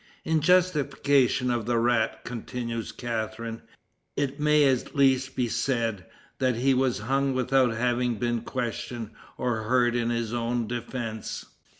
In justification of the rat," continues Catharine, "it may at least be said, that he was hung without having been questioned or heard in his own defense."